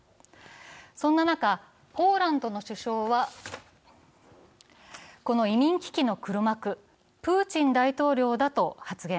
そんな中、ポーランドの首相はこの移民危機の黒幕、プーチン大統領だと発言。